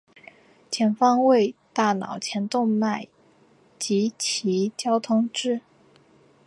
前方为大脑前动脉及其交通支。